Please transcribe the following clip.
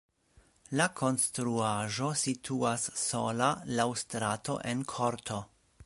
La konstruaĵo situas sola laŭ strato en korto.